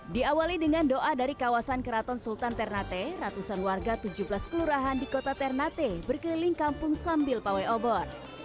diawali dengan doa dari kawasan keraton sultan ternate ratusan warga tujuh belas kelurahan di kota ternate berkeliling kampung sambil pawai obor